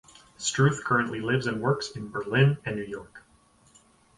Struth currently lives and works in Berlin and New York.